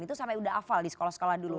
itu sampai udah hafal di sekolah sekolah dulu